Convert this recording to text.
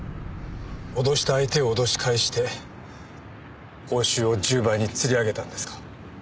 脅した相手を脅し返して報酬を１０倍につり上げたんですか。